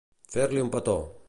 Fer-li un petó.